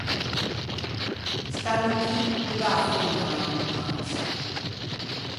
St’anno chì no gh’â femmo à anâ in vacansa.